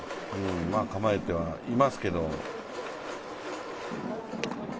構えてはいますけど。